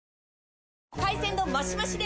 海鮮丼マシマシで！